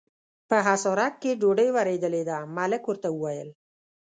په حصارک کې ډوډۍ ورېدلې ده، ملک ورته وویل.